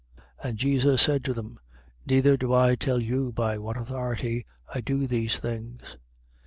And Jesus said to them: Neither do I tell you by what authority I do these things.